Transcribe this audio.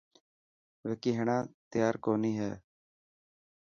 وڪي هيڻان تيار ڪوني هي.